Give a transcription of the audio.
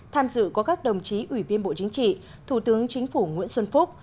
tham dự có các đồng chí ủy viên bộ chính trị thủ tướng chính phủ nguyễn xuân phúc